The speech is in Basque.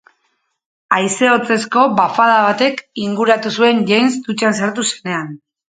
Haize hotzezko bafada batek inguratu zuen James dutxan sartu zenean.